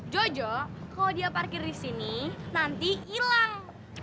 jojo kalau dia parkir di sini nanti hilang